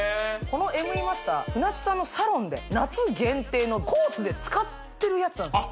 このＭＥマスター舟津さんのサロンで夏限定のコースで使ってるやつなんです